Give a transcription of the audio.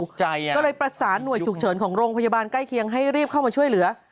ก็เลยประสานหน่วยฉุกเฉินของโรงพยาบาลใกล้เคียงให้รีบเข้ามาช่วยเหลือ